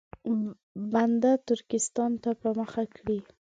بنده ترکستان ته په مخه کړي.